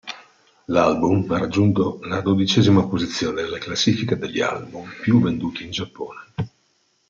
L'album ha raggiunto la dodicesima posizione della classifica degli album più venduti in Giappone.